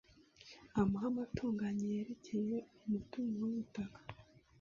amahame atunganye yerekeye umutungo w’ubutaka